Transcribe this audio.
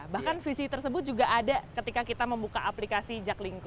bahkan visi tersebut juga ada ketika kita membuka aplikasi jaklingko